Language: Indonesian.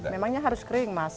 memangnya harus kering mas